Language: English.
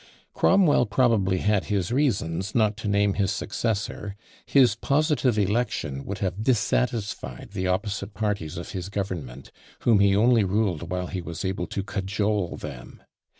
Cromwell probably had his reasons not to name his successor; his positive election would have dissatisfied the opposite parties of his government, whom he only ruled while he was able to cajole them.